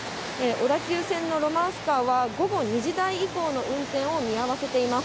小田急線のロマンスカーは午後２時台以降の運転を見合わせています。